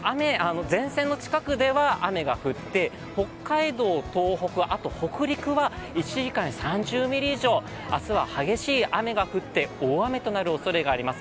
前線の近くでは雨が降って、北海道、東北、北陸は１時間に３０ミリ以上、明日は激しい雨が降って大雨となるおそれがあります。